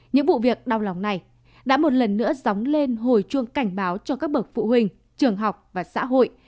những vụ việc đau lòng này đã một lần nữa dóng lên hồi chuông cảnh báo cho các bậc phụ huynh trường học và xã hội